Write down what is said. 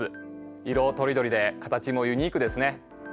色とりどりで形もユニークですね。